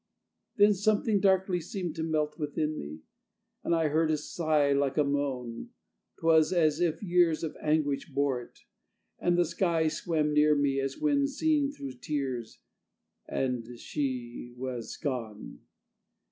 Then something darkly seemed to melt Within me, and I heard a sigh So like a moan, 'twas as if years Of anguish bore it; and the sky Swam near me as when seen through tears And she was gone....